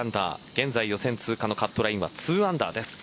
現在、予選通過のカットラインは２アンダーです。